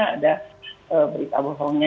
ada berita bohongnya